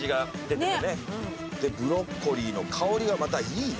でブロッコリーの香りがまたいいね。